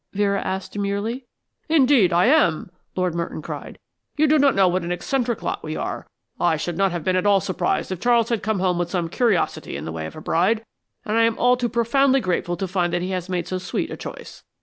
Vera asked, demurely. "Indeed, I am," Lord Merton cried. "You do not know what an eccentric lot we are. I should not have been at all surprised if Charles had come home with some curiosity in the way of a bride, and I am only too profoundly grateful to find that he has made so sweet a choice.